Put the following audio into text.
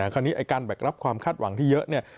คราวนี้ไอ้การแบกรับความคาดหวังที่เยอะเนี่ย